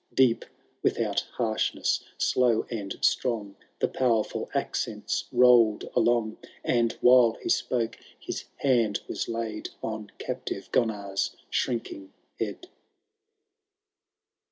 Deep, without harshness, slow and strong, The poweiful accents rolled along, And, while he spoke, his hand was laid On captive Gunnar*s shrinking head.